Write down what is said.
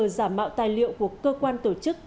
giả mạo tài liệu của cơ quan tổ chức